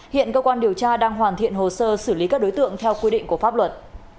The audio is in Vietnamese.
hiện cơ quan điều tra đang hoàn thiện hồ sơ xử lý các đối tượng theo quy định của pháp luật